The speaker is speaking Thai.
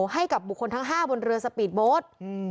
ให้กับบุคคลทั้ง๕บนเรือสปีดโบสต์